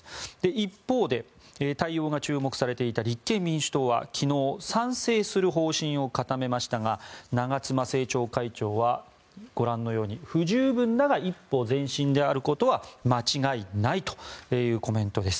一方で、対応が注目されていた立憲民主党は昨日賛成する方針を固めましたが長妻政調会長はご覧のように不十分だが一歩前進であることは間違いないというコメントです。